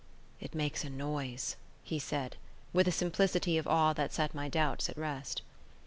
"It makes a noise," he said, with a simplicity of awe that set my doubts at rest.